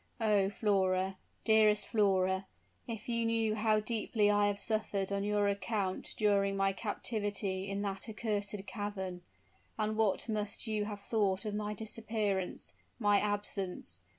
Oh, Flora dearest Flora, if you knew how deeply I have suffered on your account during my captivity in that accursed cavern! And what must you have thought of my disappearance my absence!